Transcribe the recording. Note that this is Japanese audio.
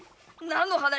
何の話⁉